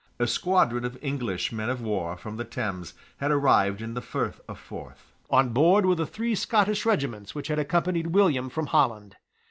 A squadron of English men of war from the Thames had arrived in the Frith of Forth. On board were the three Scottish regiments which had accompanied William from Holland.